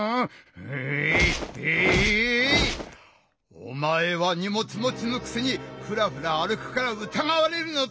おまえは荷物もちのくせにふらふら歩くから疑われるのだ！